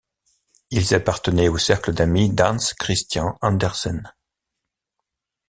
Ils appartenaient au cercle d'amis d'Hans Christian Andersen.